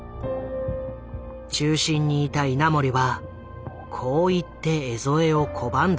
中心にいた稲盛はこう言って江副を拒んだという。